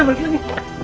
ya balik lagi